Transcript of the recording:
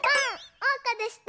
おうかでした！